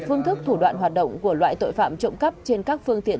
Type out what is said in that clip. phương thức thủ đoạn hoạt động của loại tội phạm trộm cắp trên các phương tiện